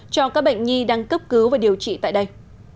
cho các bệnh nhi đang cấp cứu và điều trị tại đây